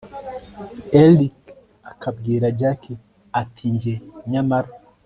erick akabwira jack ati njye nyamara